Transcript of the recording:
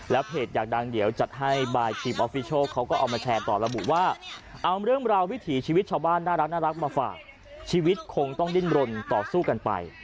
เพจอยากดังเดี๋ยวจัดให้บายทีมออฟฟิโชคเขาก็เอามาแชร์ต่อระบุว่าเอาเรื่องราววิถีชีวิตชาวบ้านน่ารักมาฝากชีวิตคงต้องดิ้นรนต่อสู้กันไป